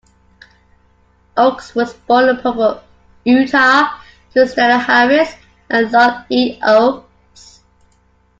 Oaks was born in Provo, Utah, to Stella Harris and Lloyd E. Oaks.